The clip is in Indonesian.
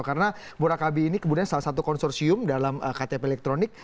karena murakabi ini kemudian salah satu konsorsium dalam ktp elektronik